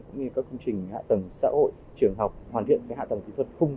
cũng như các công trình hạ tầng xã hội trường học hoàn thiện hạ tầng kỹ thuật khung